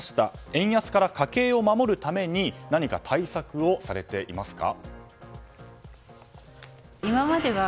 円安から家計を守るために何か対策をされていますか。